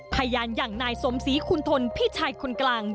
พยานอย่างนายสมศรีคุณทนพี่ชายคนกลาง